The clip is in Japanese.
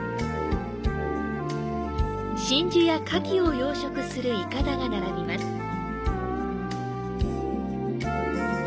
真珠やカキを養殖する筏が並びます。